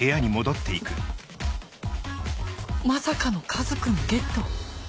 まさかの「カズ君」ゲット